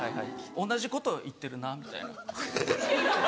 同じこと言ってるなみたいな。